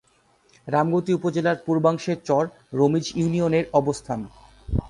রামগতি উপজেলার পূর্বাংশে চর রমিজ ইউনিয়নের অবস্থান।